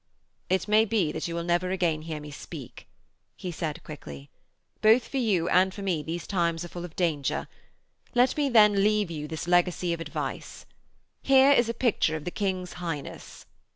'It may be that you will never hear me speak again,' he said quickly. 'Both for you and for me these times are full of danger. Let me then leave you this legacy of advice.... Here is a picture of the King's Highness.'